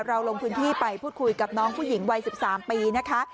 ลงพื้นที่ไปพูดคุยกับน้องผู้หญิงวัย๑๓ปีนะคะ